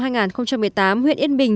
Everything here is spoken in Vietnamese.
năm hai nghìn một mươi tám huyện yên bình